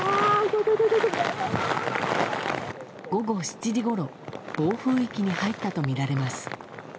午後７時ごろ暴風域に入ったとみられます。